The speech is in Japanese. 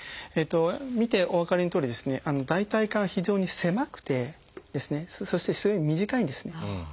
見てお分かりのとおりですね大腿管は非常に狭くてそして非常に短いんですね。